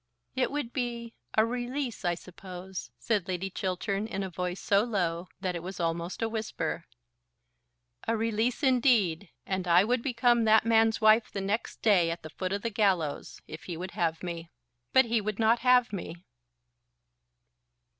"It would be a release, I suppose," said Lady Chiltern in a voice so low, that it was almost a whisper. "A release indeed; and I would become that man's wife the next day, at the foot of the gallows; if he would have me. But he would not have me."